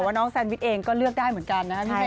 แต่ว่าน้องแซนวิชเองก็เลือกได้เหมือนกันนะครับพี่เจ๋ง